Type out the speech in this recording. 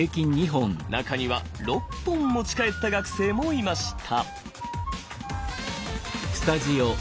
中には６本持ち帰った学生もいました。